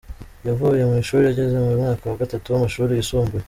Yavuye mu ishuri ageze mu mwaka wa gatatu w’amashuri yisumbuye.